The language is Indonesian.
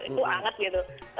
itu anget gitu